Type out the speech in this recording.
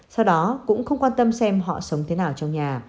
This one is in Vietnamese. sau đó cũng không quan tâm xem họ sống thế nào trong nhà